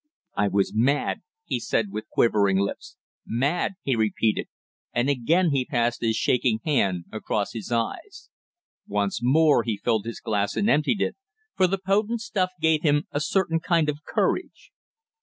"I was mad!" he said with quivering lips. "Mad!" he repeated, and again he passed his shaking hand across his eyes. Once more he filled his glass and emptied it, for the potent stuff gave him a certain kind of courage.